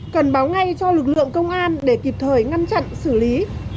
cần báo ngay cho lực lượng công an để kịp thời ngăn chặn xử lý